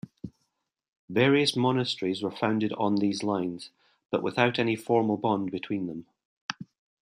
Various monasteries were founded on these lines, but without any formal bond between them.